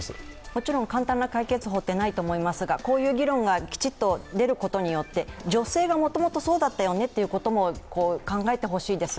もちろん簡単な解決法ってないと思いますがこういう議論がきちっと出ることによって、女性がもともとそうだったよねということも考えてほしいです。